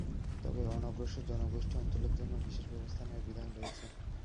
তবে অনগ্রসর জনগোষ্ঠী ও অঞ্চলের জন্য বিশেষ ব্যবস্থা নেওয়ার বিধান রয়েছে।